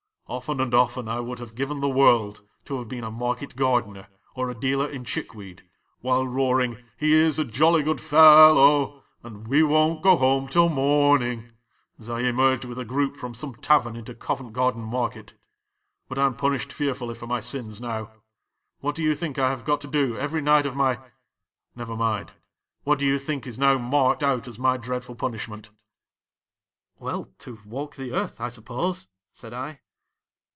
"Often and often I would have given the world to have been a market gardener or a dealer in chick weed while roaring ' He is a jolly good fellow,' and 'We won't go home till morn ing !' as I emerged with a group from some tavern into Covent Garden market. But I 'm punished fearfully for my sins now. What do you think I have got to do every night of my — never mind — what do you think is now marked out as my dreadful punishment ?"'" Well, to walk the earth, I suppose," said I.